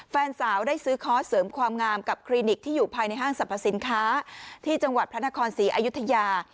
แฟนสาวได้ซื้อคอร์สเสริมความงามกับคลินิกที่อยู่ภายในห้างสรรพสินค้าที่จังหวัดพระนครศรีอายุทยา